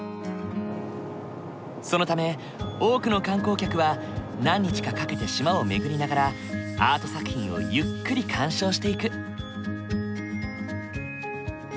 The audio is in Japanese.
そのため多くの観光客は何日かかけて島を巡りながらアート作品をゆっくり鑑賞していく。